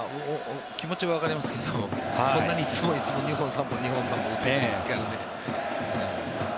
気持ちはわかりますけどそんなにいつもいつも２本、３本打てないですからね。